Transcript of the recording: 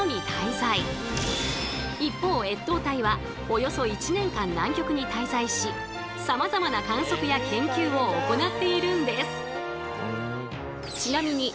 一方越冬隊はおよそ１年間南極に滞在しさまざまな観測や研究を行っているんです。